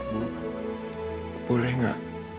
bu boleh nggak